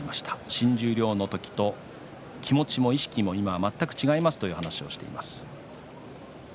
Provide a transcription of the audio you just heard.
新十両の時と今場所は気持ちが全然違いますという話をしています。